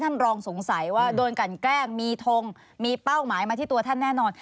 ท่านรองสงสัยว่าโดนกันแกล้งมีทงมีเป้าหมายมาที่ตัวท่านแน่นอน